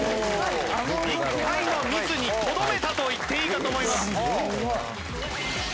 「１回のミスにとどめたといっていいかと思います」